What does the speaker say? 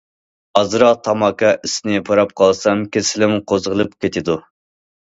ئازراق تاماكا ئىسىنى پۇراپ قالسام كېسىلىم قوزغىلىپ كېتىدۇ.